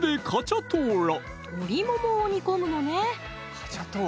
鶏ももを煮込むのね